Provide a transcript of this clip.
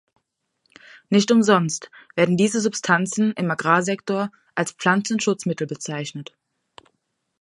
Nicht umsonst werden diese Substanzen im Agrarsektor als Pflanzenschutzmittel bezeichnet.